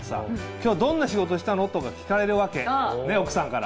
「今日どんな仕事したの？」とか聞かれるわけ奥さんから。